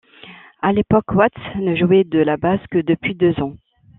À l'époque, Watts ne jouait de la basse que depuis deux ans.